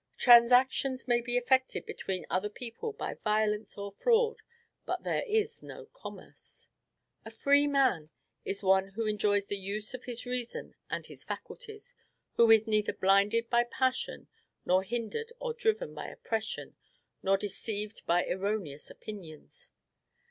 Transactions may be effected between other people by violence or fraud, but there is no commerce. A free man is one who enjoys the use of his reason and his faculties; who is neither blinded by passion, nor hindered or driven by oppression, nor deceived by erroneous opinions.